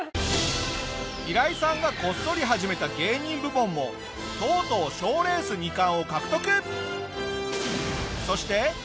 ヒライさんがこっそり始めた芸人部門もとうとう賞レース２冠を獲得！